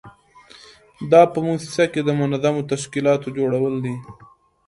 دا په موسسه کې د منظمو تشکیلاتو جوړول دي.